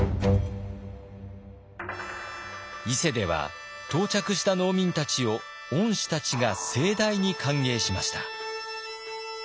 伊勢では到着した農民たちを御師たちが盛大に歓迎しました。